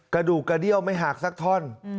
กระดูกกระเดี้ยวไม่หักสักท่อน